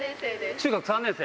中学３年生？